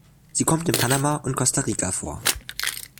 Sie kommt in Panama und Costa Rica vor.